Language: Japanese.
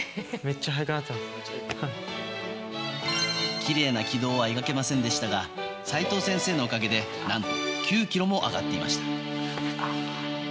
きれいな軌道は描けませんでしたが齋藤先生のおかげで何と９キロも上がっていました。